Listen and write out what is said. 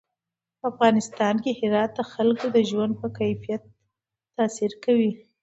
په افغانستان کې هرات د خلکو د ژوند په کیفیت تاثیر کوي.